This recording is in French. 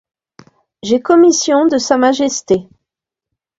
J’ai commission de sa majesté.